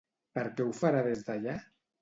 Per què ho farà des d'allà?